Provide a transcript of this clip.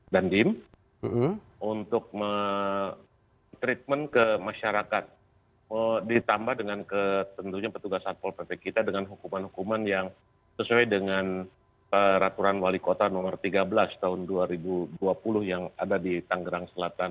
dan dim untuk treatment ke masyarakat ditambah dengan tentunya petugas satpol pt kita dengan hukuman hukuman yang sesuai dengan peraturan wali kota nomor tiga belas tahun dua ribu dua puluh yang ada di tanggerang selatan